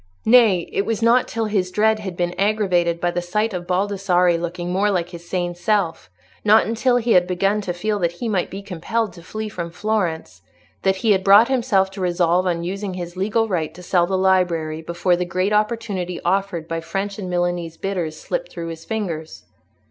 Nay, it was not till his dread had been aggravated by the sight of Baldassarre looking more like his sane self, not until he had begun to feel that he might be compelled to flee from Florence, that he had brought himself to resolve on using his legal right to sell the library before the great opportunity offered by French and Milanese bidders slipped through his fingers.